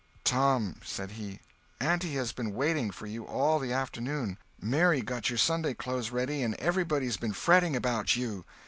"Tom," said he, "auntie has been waiting for you all the afternoon. Mary got your Sunday clothes ready, and everybody's been fretting about you.